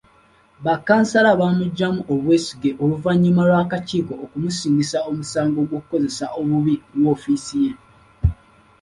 Bakkansala baamuggyamu obwesige oluvannyuma lw’akakiiko okumusingisa omusango gw’okukozesa obubi woofiisi ye.